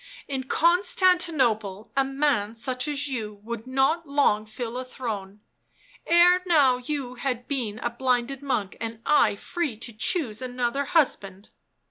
" In Constantinople a man such as you would not long fill a throne; ere now you had been a blinded monk and I free to choose another husband